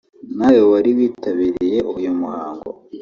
nawe wari witabiriye uyu muhango